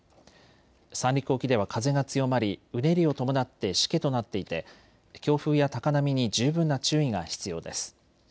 三陸沖では風が強まりうねりを伴ってしけとなっていて強風や高波に十分な注意が必要です。